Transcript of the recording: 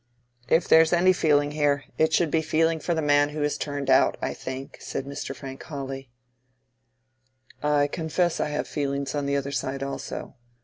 "If there's any feeling here, it should be feeling for the man who is turned out, I think," said Mr. Frank Hawley. "I confess I have feelings on the other side also.